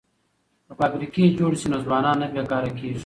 که فابریکې جوړې شي نو ځوانان نه بې کاره کیږي.